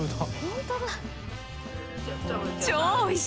本当だ。